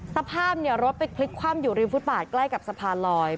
สภาพรถไปพลิกคว่ำอยู่ริมฟุตบาทใกล้กับสะพานลอย